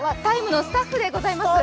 「ＴＩＭＥ，」のスタッフでございます。